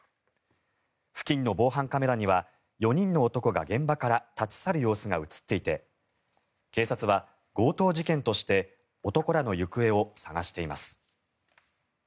付近の防犯カメラには４人の男が現場から立ち去る様子が映っていて警察は強盗事件として男らの行方を捜しています。